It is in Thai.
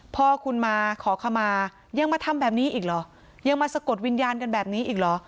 พ่อคุณมาขอขมายังมาทำแบบนี้อีกเหรอยังมาสะกดวิญญาณกันแบบนี้อีกเหรอ